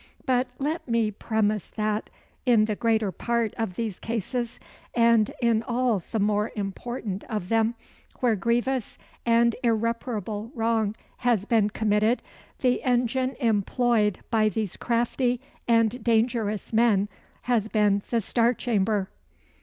But let me premise that, in the greater part of these cases, and in all the more important of them, where grievous and irreparable wrong has been committed, the engine employed by these crafty and dangerous men has been the Star Chamber."